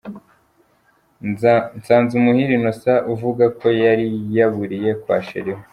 Nsanzumuhire Innocent, uvuga ko yari yaburiye kwa Cherie we